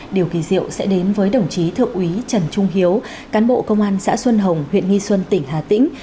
điều kỳ diệu sẽ đến với đồng chí thượng úy trần trung hiếu cán bộ công an xã xuân hồng huyện nghi xuân tỉnh hà tĩnh